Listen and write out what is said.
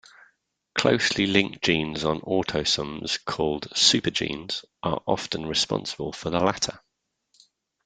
Closely linked genes on autosomes called "supergenes" are often responsible for the latter.